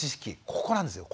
ここなんですよ